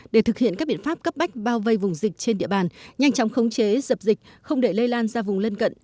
để thực hiện các biện pháp cấp bách bao vây vùng dịch trên địa bàn nhanh chóng khống chế dập dịch không để lây lan ra vùng lân cận